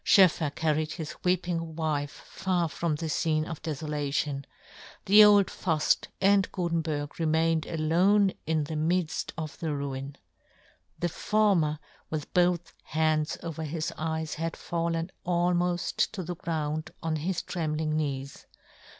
SchoefFer carried his weeping wife far from this fcene of defolation ; the old Fuft and Gutenberg remained alone in the midft of the ruin. The former with both hands over his eyes had fallen almoft to the ground on his trembling knees.